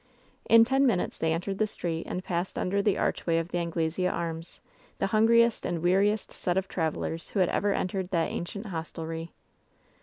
In ten minutes they entered the street, and passed under the archway of the Anglesea Arms, the hungriest and weariest set of travelers who had ever entered that ancient hostelry.